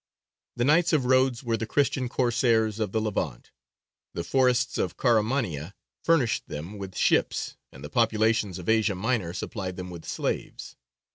The Knights of Rhodes were the Christian Corsairs of the Levant; the forests of Caramania furnished them with ships, and the populations of Asia Minor supplied them with slaves.